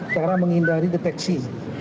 cara menghindari deteksi